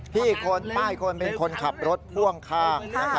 อีกคนป้ายคนเป็นคนขับรถพ่วงข้าง